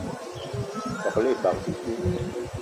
Begela ebag bíjé